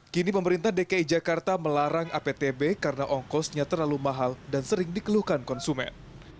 kini pemerintah dki jakarta melarang aptb karena ongkosnya terlalu mahal dan sering dikeluhkan konsumen